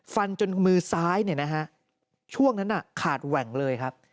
ฟันจนมือซ้ายเนี่ยนะฮะช่วงนั้นขาดแหว่งเลยครับ